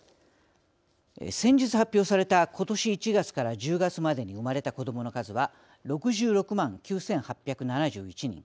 先日発表された今年１月から１０月までに生まれた子どもの数は６６万９８７１人。